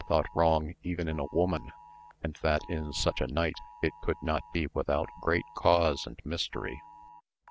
thought wrong even in a woman, and that in such a knight it could not be without great cause and mys tery.